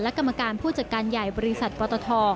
และกรรมการผู้จัดการใหญ่บริษัทปตท